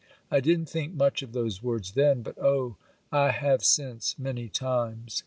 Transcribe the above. I didn't think much of those words then, but oh, I have since, many times.